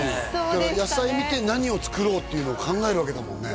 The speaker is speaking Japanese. だから野菜見て何を作ろうっていうのを考えるわけだもんね